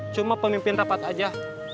cuma pemimpin rapat aja